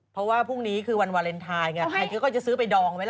เพราะว่าพรุ่งนี้คือวันวาเลนไทยไงใครเขาก็จะซื้อไปดองไหมล่ะ